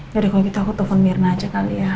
ya udah kalau gitu aku telfon mirna aja kali ya